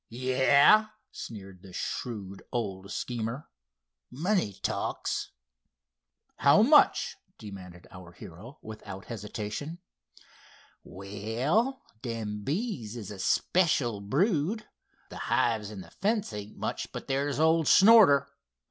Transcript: "Yah!" sneered the shrewd old schemer—"money talks." "How much?" demanded our hero, without hesitation. "Well, them bees is a special brood. The hives and the fence ain't much, but there's old Snorter.